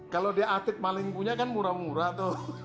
kalau di atik maling punya kan murah murah tuh